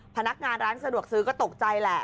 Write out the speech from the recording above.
พนักงานร้านสะดวกซื้อก็ตกใจแหละ